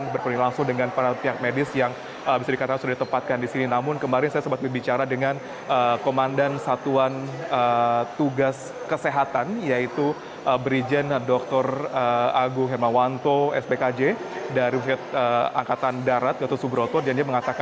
baik dari bagaimana